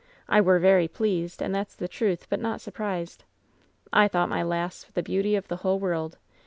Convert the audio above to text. I were very pleased, and that's the truth, but not surprised. I thought my lass the beauty of the whole world.